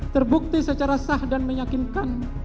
terbukti secara sah dan meyakinkan